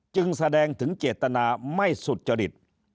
จึงแสดงถึงเจตนาไม่สุจริต